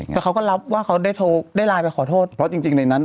แต่เขาก็รับว่าเขาได้โทรได้ไลน์ไปขอโทษเพราะจริงจริงในนั้นน่ะ